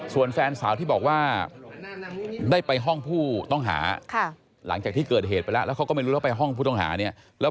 ส่วนแฟนสาวที่บอกว่าได้ไปห้องผู้ต้องหา